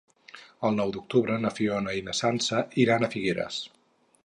El nou d'octubre na Fiona i na Sança iran a Figueres.